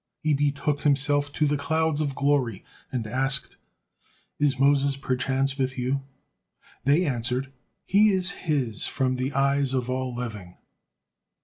He betook himself to the clouds of glory and asked, "Is Moses perchance with you?" They answered, "He is his from the eyes of all living."